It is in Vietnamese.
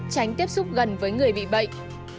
tránh tiếp xúc gần với người bị bệnh